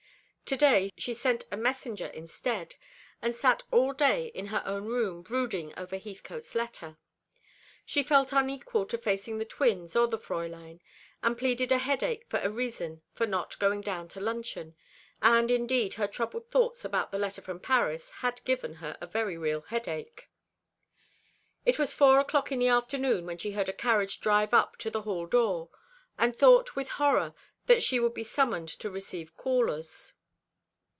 To day she sent a messenger instead, and sat all day in her own room brooding over Heathcote's letter. She felt unequal to facing the twins or the Fräulein, and pleaded a headache as a reason for not going down to luncheon; and indeed her troubled thoughts about that letter from Paris had given her a very real headache. It was four o'clock in the afternoon, when she heard a carriage drive up to the hall door, and thought with horror that she would be summoned to receive callers.